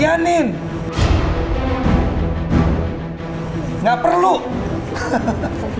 ia hillis dari kita